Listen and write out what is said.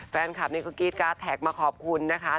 แฟนคลับนี่ก็กรี๊ดการ์ดแท็กมาขอบคุณนะคะ